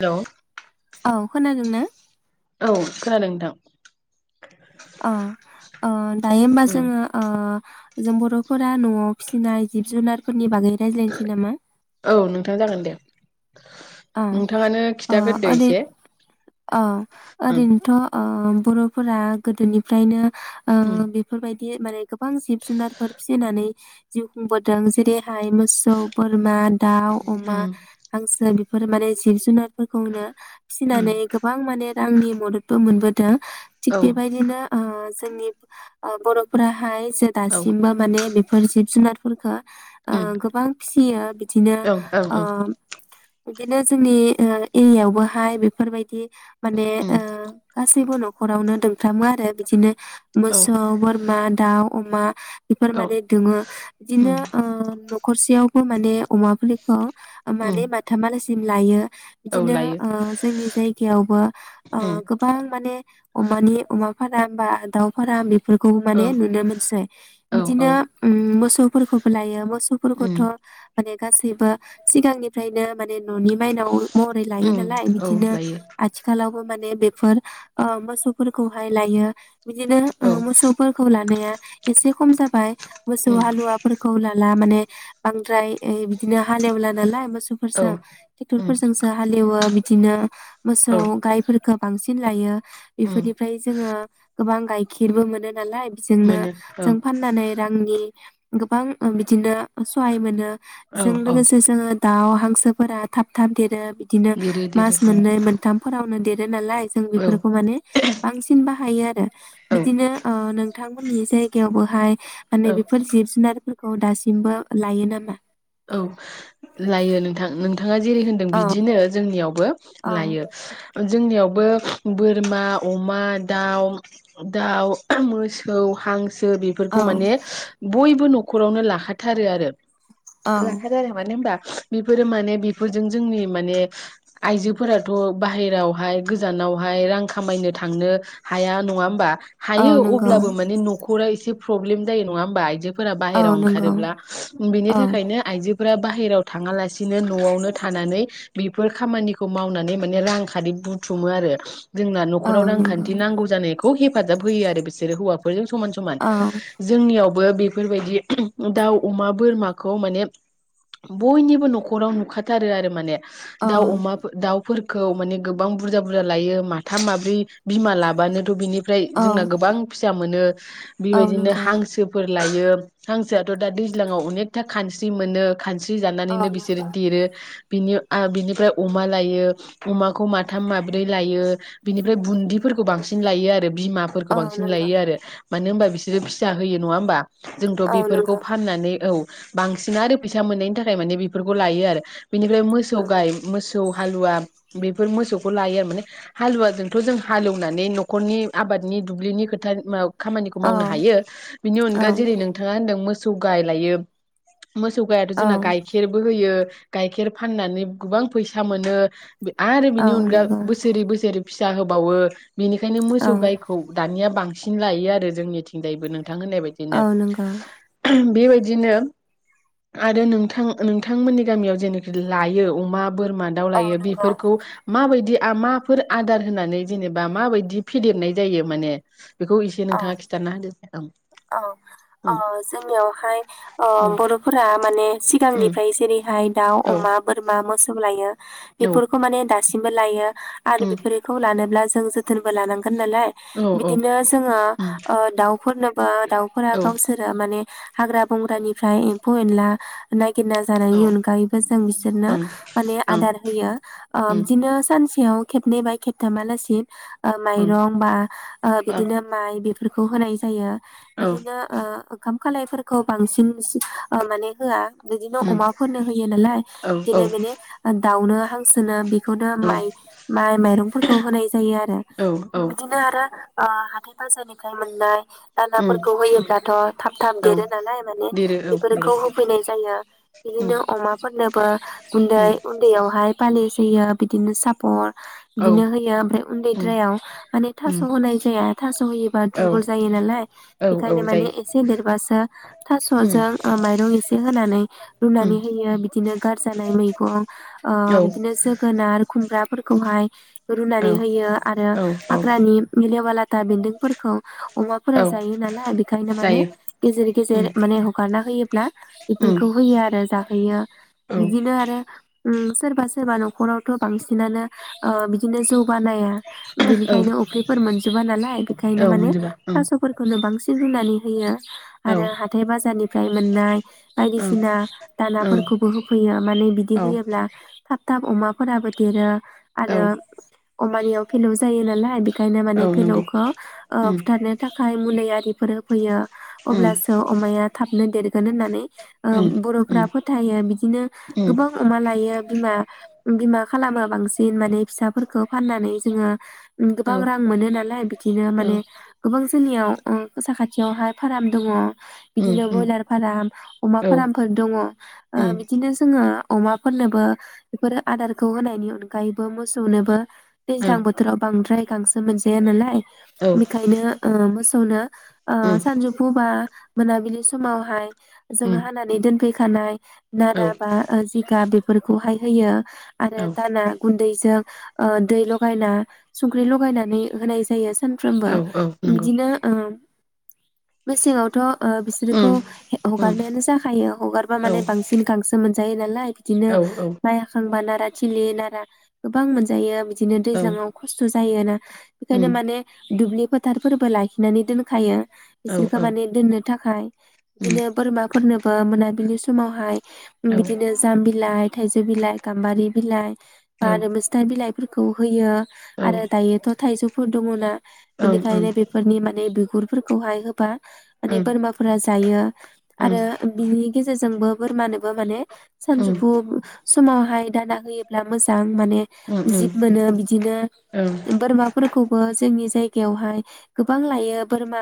Hello औ खोनादों ना औ खोनादों नोंथां अ अ दायो होमबा उम जोंङो जों बर'फोरा न'आव फिसिनाय जिब जुनारफोरनि बागै रायज्लायनोसै नामा। औ नोंथाङ जागोन दे अ नोंथाङानो अ खिथागोरदो एसे अ ओं ओरैनोथ' अ बर'फोरा गोदोनिफ्रायनो ओ उम बेफोरबाय दि माने गोबां जिब जुनारफोर फिसिनानै जिउ खुंबोदों जेरैहाय मोसौ-बोरमा दाउ अमा उम हांसो बि फोर माने जिब जुनारफोरखौनो उम फिसिनानै गोबां माने रांनि मददबो मोनबो दों थिग औ बेबायदिनो जोंनि ओ बर'फोरा हाय जे औ दासिमबो माने बे फोर जिब जुनारफोरफोरखो उम ओ गोबां फि सियो बिदिनो ओं ओं ओ ओं बिदिनो जोंनि ओ एरियावबोहाय बेफोरबायदि माने उम ओ गासैबो न'खरावनो दों फ्रामो आरो बिदिनो औ मोसौ बोरमा दाउ अमा बेफोर औ माने दोंङो उम बिदिनो ओ न'खरसेयाव बो माने अमा फुलिखौ ओ उम माने मा बासिम लायो औ बिदिनो लायो ओ जोंनि जायगायावबो उम गोबां माने अमानि-अमा फाराम बा दाउ फाराम फोरखौ औ माने नुनो मोनसै औ औ बिदिनो अम मोसौफोरखौबो लायो उम मोसौफोरखौथ' माने गासैबो सिगांनिफ्रायनो माने न'नि माइनाव महरै लायो उम नालाय औ बिदिनो लायो आथिखालावबो मान बे बेफोर ओ मोसौफोरखौहाय लायो। बिदिनो ओ औ मोसौफोरखौ लानाया एसे खम जाबाय मोसौ उम हालुवाफोरखौ लाला माने बांद्राय ऐ बिदिनो हालेवला नालाय मोसौ औ फोरजों उम टेक्टरफोरजोंसो हालेवो । ओ बिदिनो मोसौ औ गायफोरफोरखौ बांसिन लायो उम बेफोरनिफ्राय जोङो गोबां गाइखेरबो मोनो । नालाय बेजोंनो मोनो औ जों फान्नानै रांनि गोबां ओ बिदिनो सहाय मोनो । औ जों औ लोगोसे जोङो दाउ हां सोफोरा थाब थाब देरो । बिदिनो देरो देरो मास उम मोन्नै मोनथामफोरावनो दे नालाय जों औ बेफोरखौ माने बांसिन बाहायो आरो बिदिनो ओ नोंथांमोननि जाय थेवबोहाय माने औ बेफोर जिब जुनारफोर अ दासिमबो लायो नामा? औ लायो नोंथां नोंथाङा जेरै होनदों औ बिदिनो जोंनियावबो। औ लायो ओ जोंनियावबो बोरमा अमा, दाउ, दाउ, मोसौ, हांस सो औ बेफोरखौ माने बयबो न'खरावनो लाखाथारो आरो औ लाखादो आरो मानो होनबा बेफोरो माने बेफोरजों जोंनि माने आइजोफोराथ' बाहेरावहाय गोजानावहाय रां खामायनो थांनो हाया नङा होमबा? औ हायो नंगौ अब्लाबो माने न'खरा एसे प्रब्लेम जायो नङा होमबा आइजो फोरा औ बाहेराव नंगौ ओंखारोब्ला बेनि औ थाख आयजोफोरा बाहेराव थाङालासिनो न'आवनो थानानै बेफोर खामानिखौ मावनानै माने रां खारि बुथुमो आरो जोंना औ न'खराव नंगौ रांखान्थि नांगौ जानाय हेफाजाब होयो आरो बिसोरो हौवाफोरजों समान समान औ जोंनियाव बेफोरबायदि दाउ अमा बोरमा खौ माने बयनिबो न'खराव नुखाथारो आरो माने औ दाउ अमा दाउ फोरखौ माने गोबां बुरजा बुरजा लायो माथाम माब्रै बिमा लाबानोथ' बिनि ओमफ्राय औ जोंना गोबां फैसा मोनो औ बेबायदिनो नंगौ हांसोफोर लायो हांसोआथ' दा दैज्लांयाव अनेक [unintelligible] खानस्रि मोनो खानस्रि औ जानानैनो बिसोरो नंगौ देरो बिनि बिनिफ्राय अमा लायो अमाखौ माथाम माब्रै लायो बिनिफ्राय बुन्दिफोरखौ बांसिन लायो आरो बिमाफोरखौ औ बांसिन नंगौ लायो आरो मानो होनबा बिसोरो फिसा होयो नङा होनोमबा जोंथ' औ बेफोरखौ नंगौ फाननानै औ बांसिन आरो फैसा मोननायनि थाखाय माने बेफोरखौ लायो आरो बिनिफ्राय मोसौ औ गाय मोसौ मोसौ हालुवा बेफोर मोसौखौ लायो आरो माने हालुवाजोंथ' जों हालएवनानै न'खरनि आबादनि दुब्लिनि फोथारनि खामानिखौ औ मावनो हायो बिनि अनगा जेरै नोंथाङा होनदों मोसौ जौगाय लायो मोसौ गायाथ' औ जोंना गाइखेरबो होयो गाइखेर फाननानै गोबां फैसा मोनो आरो औ बिनि अनगा नंगौ बोसोरै बोसोरै फिसा होबावो बेनिखायनो मोसौ औ गायखौ दानिया बांसिन सिन लायो आरो जोंनिथिंजायबो नों थां होननाय औ बदिनो नंगौ। बेबाय बिदिनो आरो नोंथां नोंथांमोननि गामियाव जेनोखि लायो अमा बोरमा दाउ औ लायो नंगौ बेफोरखौ मा बायदि आं माफोर आदार होनानै जेनेबा माबायदि फेदेरनाय जायो माने बेखौ एसे औ नोंथाङा खिन्थाना होदो औ ओ जोंनियाव हाय ओ ओ बर'फोरा माने सिगांनिफ्राय जेरैहाय दाउ, अमा, ओं बोरमा, मोसौ खौबो लायो। बेफोरखौ माने दासिम सिमबो लायो। आरो ओं बेफोरखौ लानोब्ला जों जोथोनबो लानां गोन नालाय ओं ओं बिदिनो जोङो ओ दाउ फोरनोबो दाउफोरा गावसोरो माने हाग्रा बंग्रानिफ्राय एम्फौ-एनला नाय गिरना औ जानायनि अनगायैबो जों बिसोरनो ओम माने औ आदार होयो ओ ओम बिदिनो सानसे सेयाव खेबनै बा खेबथामालासि ओ माइरं बा ओ औ बि नाय बेफोरखौ होनाय जायो। बिदिनो ओ ओंखाम खालाय फोरखौ बांसिन ओ माने होआ। बिदिनो अमाफोरनो होयो नालाय औ बिदिनो माने दाउनो हांसोनो बि खौनो ओं माइ माइ माइरंफोरखौ होनाय जायो आरो ओं ओम ओं औ ओम औ औ बिदिनो आरो ओ हाथाय बाजारनिफ्राय मोननाय ओम दानाफोरखौ होयोब्लाथ‌' थाब थाब औ देरो नालाय माने देरो औ देरो बेफोरखौ होफैनाय जायो ओम बिदिनो अमा फोरनोबो गुन्दै ओम उन्दैयावहाय पालिस होयो बिदिनो सापर औ बिदिनो होयो ओमफ्राय उन्दै ओम द्रायाव माने थास' ओम होनाय जा जाया थास' होयोबा औ दुरबल जायो नालाय औ बेखायनो औ माने जायो एसे देरबासो थास' ओम जों ओ माइरं एसे होनानै ओम रुनानै होयो बिदिनो गारजानाय मै खं ओ औ बिदिनो जोगोनार खुमब्रा फोरखौहाय रुनानै औ होयो आरो औ औ हाग्रानि लेव लेवा लाथा बेदों फोरखौ अमाफोरा औ जायो नालाय बेखायनो माने जायो गेजेर उम गेजेर माने हगारना होयो। उम बेफोरखौ होयो आरो जा हैया औ बिदिनो आरो उम सोरबा सोरबा नखरावथ‌ बांसिनानो‌ ओ बिदिनो जौ बानाया औ बेनिखायनो अफ्रिफोर मोन जोबा नालाय बेखायनो औ माने मोनजोबला उम थास'फोरखौनो बांसि ओ रुनानै होयो। औ आरो हाथाय बाजारनिफ्राय मोननाय ओं बायदिसिना ओं दानाफोरखौबो होफैयो माने बिदि औ होयोब्ला थाब थाब अमाफोराबो देरो औ आरो अमानियाव फेलौ जायो नालाय बेखायनो माने औ नंगौ फेलौखो ओ उम फुथारनो थाखाय मुलै आरिफोर होफैयो उम अब्लासो अमाया थाबनो देरगोन होननानै उम ओ उम बर'फोरा फोथायो बिदिनो उम गोबां अमा लायो बिमा बिमा खा खालामो बांसिन माने फिसाफोरखौ फाननानै जोंङो औ गोबां रां मोनो नालाय बिदिनो माने औ गोबां जोंनियाव ओ साखा थियावहाय फाराम दंङ। उम बिदिनो उम बयलार फाराम अमा औ फारामफोर दंङ ओ उम बिदिनो जोंङो अमाफोरनोबो बेफोरो आदारखौ होनायनि अनगायैबो मोसौनोबो दैज्लां ओं बोथोराव बांद्राय गांसो मोन गैया नालाय हाय औ बिखायनो ओ मोसौ खौनो ओ उम सानजोफु बा मोनाबिलि समावहाय जों उम हानानै दोनफै थानाय औ नारा बा ओ जिगाब बे फोरखौहाय होयो। आरो औ दाना गुन्दै जों ओ दै लगायना संख्रि लगायनानै होनाय जायोस सानफ्रोमबो औ औ नंगौ बिदिनो ओम मेसेंआवथ' ओ बिसोरखौ उम हेग उम हगारनायानो जाखायो हगारबा औ माने बांसिन गांसो मोन जायो नालाय बिदिनो औ माइ हाखांबा नाराथ थिलि नारा गोबां मोनजायो। दिनो दैज्लाङाव खस्थ' ज जायो ना? खायनो उम माने दुब्लि फोथारफोरबो लाखिनानै दोनखायो। औ बिसोरखौ उम माने दोननो। थाखाय दिनोप बोरमा फोरनोब बो मोनाबिलि समावहाय। औ उम बिदिनो जाम बिलाइ थाइजौ बिलाइ, गाम्बारि बिलाइ। बा आरो मेस्टा बिलाइ फोरखौ होयो। औ आरो दायोथ' थाइजौ। फुदु मुना ओं इनिखायनो बेफोरनि माने बिफ गुरफोरखौहाय होबा माने बोरमाफोरा जायो आरो बिनि गेजेरजोंबो बोरमानोबो माने ओं उम सानजुफुब समावहाय दाना होयोब्ला मोजां। माने उम जिब मोनो बिदिनो ओं बोरमा। जोंनि जायगायावहाय गोबां लायो बोरमा।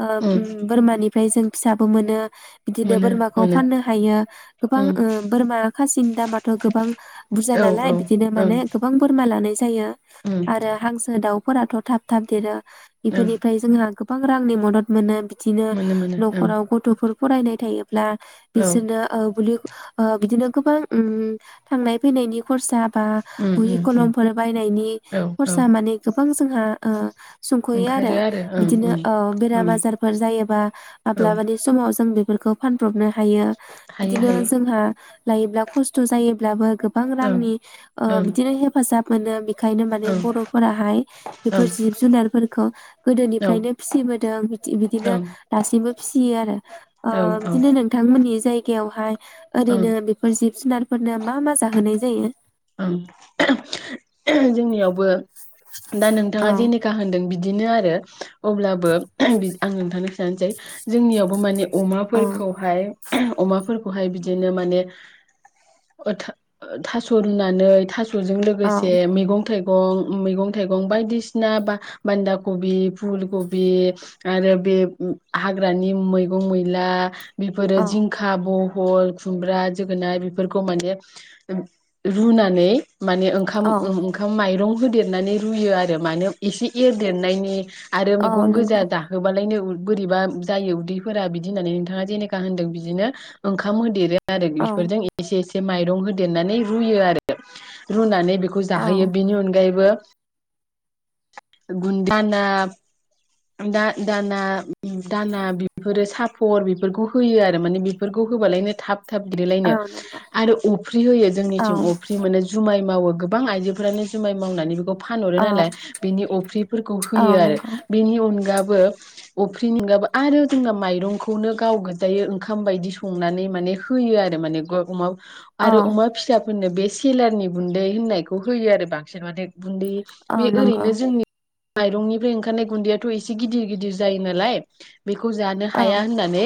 ओ ओं ओम बोरमानि ओमफ्राय जों फिसाबो मोनो। बिदिनो मोनो बोरमाखौ मोनो फाननो हायो गोबां उम ओ बोरमा खासि दामाथ' गोबां। बुरजा औ नालाय ओं बिदिनो माने गोबां बोरमा लानाय जा जायो ओं आरो हां दाउफोराथ' थाब-थाब देरो। ओं बेफोरनिफ्राय जोंहा गो गोबां रांनि मदद मोनो बि बिदिनो मोनो मोनो ओं न'खराव गथ'फोर फरायनाय थायो ब्ला औ बिसोरनो ओ गुलि ओ बिदिनो गोबां ओम थांनाय फैनायनि खरसा बा उम बुहि उम उम खलमफोर बायनायनि औ औ खरसा माने गोबां जोंहा ओ सुंख'यो आरो ओंखारो ओं बिदिनो ओं ओ बेराम ओं आजारफोर जायोबा औ माब्लाबानि समाव जों बेफोरखौ फानब्र'बनो हायो हायो बिदिनो हायो जोंहा लायोब्ला खस्थ' जायोब्लाबो गोबां ओं रांनि ओ ओं बिदिनो हेफाजाब मोनो बेखायनो माने ओं बर'फोरा हाय बेफोर ओं जिब-जुनारफोरखौ औ ओं गोदोनिफ्रायनो फिसिबोदों बिदि बिदिनो दासिमबो फिसियो आरो ओ औ औ बिदिनो नोंथांमोननि जाय बेवहाय ओं ओरैनो बेफोर जिब जुनारफोरनो मा मा जाहोनाय जायो ओं जोंनियावबो दा नोंथाङा औ जेनखा होनदों बि बिदिनो आरो अब्लाबो आं नोंथांनो खिथानोसै जोंनियावबो माने औ अमाफोरखौहाय अमाफोरखौहाय बिदिनो माने ओ था-थास' रुनानै थास' फोरजों औ लोगोसे मैगं थाइ गं मैगं थायगं बायदिसिना बान्दा खबि फुल खबि आरो बे हाग्रानि मैगं मैला बेफोरो औ जिंखा ब हल खुमब्रा जोगोनाय बेफोरखौ माने रुनानै माने ओंखाम औ ओंखाम माइरं होदेरनानै रुयो आरो माने एसे एरदेरनायनि आरो औ मैगं गोजा नंगौ जाहोबालायनो बोरैबा जायो उदैफोरा बिदि होननानै नोंथाङा जेनेखा होनदों बिदिनो ओंखाम होदेरो आरो औ बेफोरजों एसे एसे एसे माइरं होदेरनानै रुयो आरो रुनानै बेखौ औ जाहोयो बिनि अनगायैबो गुन्दाना दा दाना दाना बेफोरो सापर बेफोरखौ होयो आरो माने बेफोरखौ होबालायनो थाब थाब देरो औ लायनो नंगौ आरो अफ्रि होयो औ जोंनिथिं अफ्रि मोनो जुमाय मावो गोबां आइजोफ्रानो जुमाय मावनानै बेखौ फानहरो औ नालाय बिनि अफ्रिफोरखौ औ होयो आरो नंगौ अनगाबो अफ्रिनि अनगाबो आरो जोंना माइरंखौनो गाव गोजायै ओंखाम बायदि संनानै माने होयो आरो माने अमा औ आरो अमा फिसा होननो बे सेलारनि गुन्दै होननायखौ होयो आरो बांसिन माने गुन्दै औ बे नंगौ ओरैनो जोंनि माइरंनिफ्राय ओंखारनाय गुन्दैयाथ' एसे गिदिर गिदिर जायो नालाय बेखौ जानो औ हाया होननानै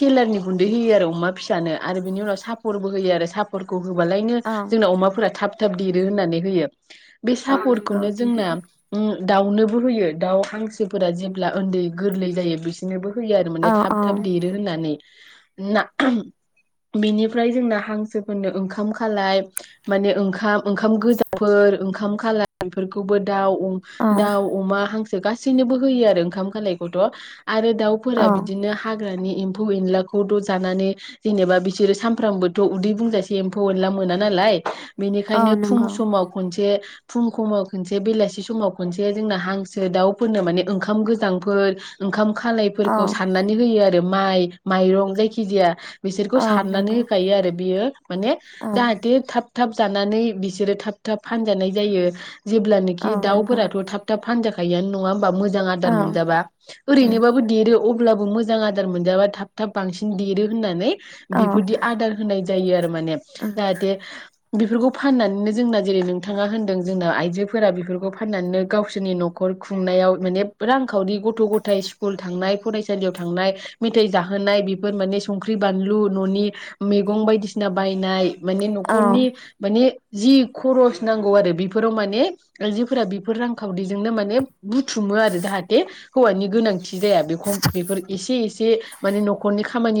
सेलारनि गुन्दै होयो आरो अमा फिसानो आरो बिनि उनाव सापर्टबो होयो आरो सापर्टखौ होबालायनो औ जोंना अमाफोरा थाब थाब दिरो होननानै होयो । बे औ नंगौ सापर्खौनो जोंना देरो उम दाउनोबो होयो दाउ हांसो फोरा जेब्ला उन्दै गोरलै जायो बिसोरनोबो होयो आरो औ माने थाब औ थाब देरो होननानै । ना बेनिफ्राय जोंना हांसोफोरनो ओंखाम खालाय माने ओंखाम ओंखाम गोजाफोर ओंखाम खालाय बेफोरखौबो दाउ उ औ दाव अमा हांसो गासैनोबो होयो आरो ओंखाम खालायखौथ' आरो औ दाउफोरा बिदिनो हा हाग्रानि एम्फौ एनलाखौथ' जानानै जेनेबा बिसोरो सानफ्रामबोथ' उदै बुंजासे एम्फौ एनला मोना नालाय औ बेनिखायनो फुं नंगौ समाव खनसे फुं खमाव खनसे बेलासि समाव खनसे जोंना हांस सो दाउफोरनो माने ओंखाम गोजांफोर ओंखाम औ खालायफोरखौ सारनानै होयो आरो । आरो माइ माइरं जायखि जाया बिसोरखौ औ साननानै नंगौ होखायो आरो बियो माने औ जाहाथे थाब थाब जानानै बिसोरो थाब थाब फानजानाय जायो। औ जेब्लानोखि नंगौ दाफोराथ' थाब थाब फानजाखा [unintelligible] बा मोजां आदार औ मोनजाबा ओरैनोबाबो देरो अब ब्लाबो मोजां आदार मोनजाब्ला थाब थाब बांसिन देरो होननानै । बेफोरदि आदार होनाय जायो आरोब मानेब जाहाथे बेफोरखौ फाननानैनो जोंना जेरै नोंथाङा होनदों जोंना आइजोफोरा बेफोरखौ फाननानैनो गावसोरनि न'ख न'खर खुंनायाव माने रांखावरि गथ' गथाइ स्कुल थांनाय फरायसालियाव थांनाय मेथाइ जाहोनाय बेफोर माने संख्रि बानलु न'नि मैगं बायदिसिना बायनाय माने औ न'खरनि माने जि खरस नांगौ आरो बेफोराव माने आयजोफोरा बेफोर रांखावरिजोंनो मान ने बुथुमो जाहाथे हौवानि गोनांथि जाया बेखौ बेफोर एसे एसे माने न'खरनि खामानि